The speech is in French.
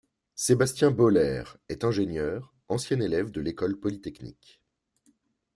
Sébastien Bohler est ingénieur, ancien élève de l’École polytechnique.